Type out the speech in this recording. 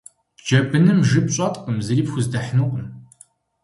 Джэбыным жып щӏэткъым, зыри пхуздэхьынукъым.